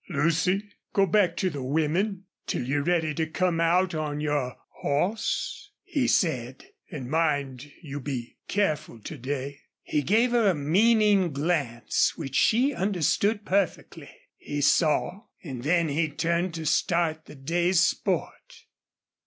"Lucy, go back to the women till you're ready to come out on your hoss," he said. "An' mind you, be careful to day!" He gave her a meaning glance, which she understood perfectly, he saw, and then he turned to start the day's sport.